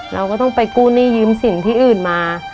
เราก็ต้องไปกู้หนี้ยืมสินที่อื่นมา